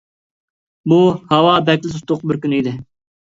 بۇ ھاۋا بەكلا تۇتۇق بىر كۈن ئىدى.